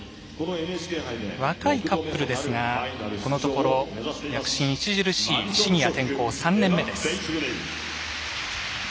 若いカップルですがこのところ、躍進著しいシニア転向３年目です。